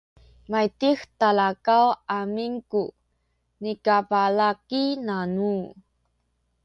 maydih talakaw amin ku nikabalaki namu